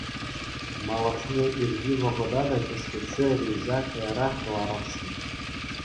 Малашне ирхи вӑхӑта та кӗскетсе рейса каярах кӑларасшӑн.